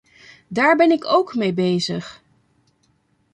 Daar ben ik ook mee bezig.